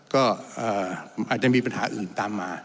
ก็อาจจะมีปัญหาอื่นตามมา